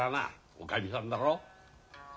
おかみさんだろ？